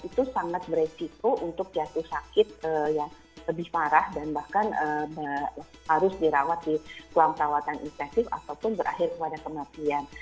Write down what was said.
itu sangat beresiko untuk jatuh sakit yang lebih parah dan bahkan harus dirawat di ruang perawatan intensif ataupun berakhir kepada kematian